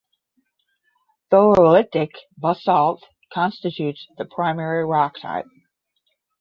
Tholeiitic basalt constitutes the primary rock type.